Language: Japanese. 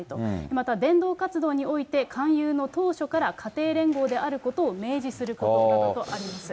また伝道活動において、勧誘の当初から家庭連合であることを明示することとあります。